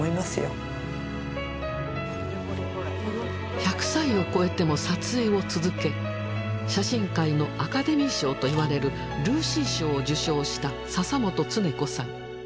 １００歳を超えても撮影を続け写真界のアカデミー賞といわれるルーシー賞を受賞した笹本恒子さん。